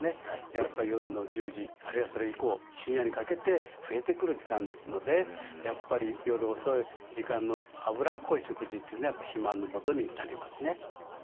やっぱり夜の１０時あるいはそれ以降深夜にかけて増えてくる時間ですのでやっぱり夜遅い時間の脂っこい食事というのはやっぱり肥満のもとになりますね。